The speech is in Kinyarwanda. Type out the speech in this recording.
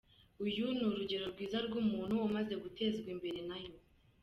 Uyu ni urugero rwiza rw’umuntu umaze gutezwa imbere na yo.